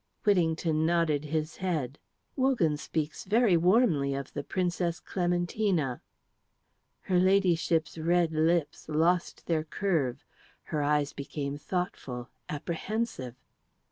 Whittington nodded his head. "Wogan speaks very warmly of the Princess Clementina." Her Ladyship's red lips lost their curve. Her eyes became thoughtful, apprehensive.